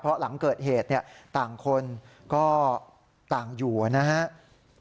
เพราะหลังเกิดเหตุเนี่ยต่างคนก็ต่างอยู่นะครับ